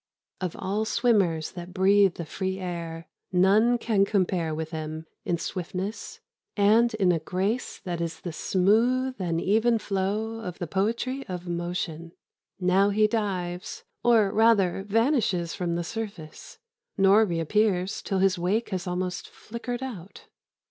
Of all swimmers that breathe the free air none can compare with him in swiftness and in a grace that is the smooth and even flow of the poetry of motion. Now he dives, or rather vanishes from the surface, nor reappears till his wake has almost flickered out.